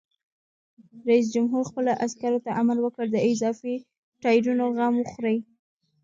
رئیس جمهور خپلو عسکرو ته امر وکړ؛ د اضافي ټایرونو غم وخورئ!